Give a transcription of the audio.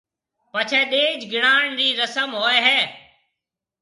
پڇيَ ڏيَج گڻاڻ رِي رسم ھوئيَ ھيََََ